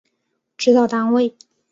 指导单位